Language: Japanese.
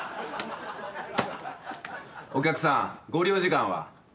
お客さんご利用時間は？